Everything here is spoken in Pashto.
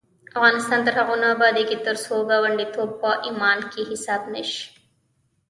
افغانستان تر هغو نه ابادیږي، ترڅو ګاونډیتوب په ایمان کې حساب نشي.